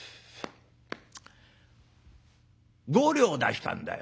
「５両出したんだよ。